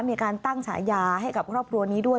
มีการตั้งฉายาให้กับครอบครัวนี้ด้วย